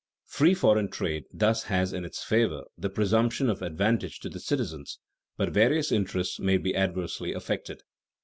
_Free foreign trade thus has in its favor the presumption of advantage to the citizens; but various interests may be adversely affected.